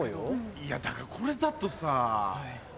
いやだからこれだとさ。